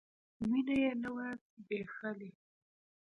وينه يې نه وه ځبېښلې.